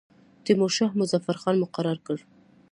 تیمورشاه مظفر خان مقرر کړ.